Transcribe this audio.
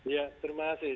ya terima kasih